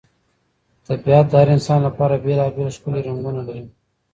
طبیعت د هر انسان لپاره بېلابېل ښکلي رنګونه لري.